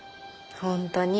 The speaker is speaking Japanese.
本当に。